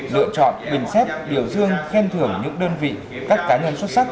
lựa chọn bình xếp điều dương khen thưởng những đơn vị các cá nhân xuất sắc